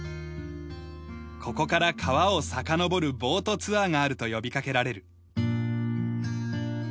ここから川をさかのぼるボートツアーがあると呼びかけられる。